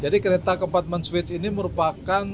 jadi kereta kompartemen suite ini merupakan